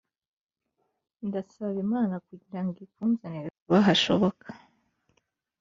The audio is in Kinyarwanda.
ndasaba imana kugira ngo ikunzanire vuba hashoboka